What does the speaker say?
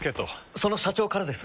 その社長からです。